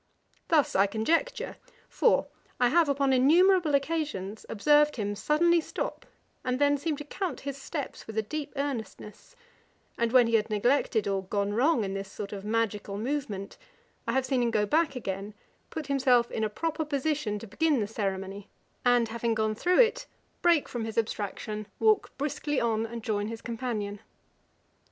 Thus I conjecture: for I have, upon innumerable occasions, observed him suddenly stop, and then seem to count his steps with a deep earnestness; and when he had neglected or gone wrong in this sort of magical movement, I have seen him go back again, put himself in a proper posture to begin the ceremony, and, having gone through it, break from his abstraction, walk briskly on, and join his companion.